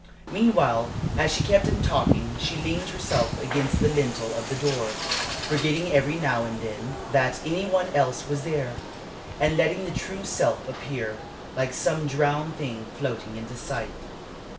Meanwhile, as she kept him talking, she leaned herself against the lintel of the door, forgetting every now and then that any one else was there, and letting the true self appear, like some drowned thing floating into sight.